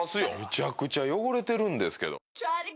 めちゃくちゃ汚れてるんですけど。